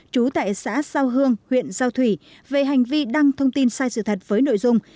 trú tại xã giao hương huyện giao thủy về hành vi đăng thông tin sai sự thật với nội dung